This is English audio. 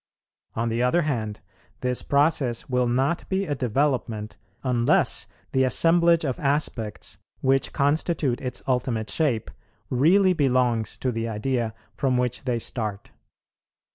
On the other hand this process will not be a development, unless the assemblage of aspects, which constitute its ultimate shape, really belongs to the idea from which they start.